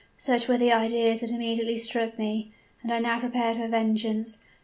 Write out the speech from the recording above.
Such were the ideas that immediately struck me; and I now prepared for vengeance.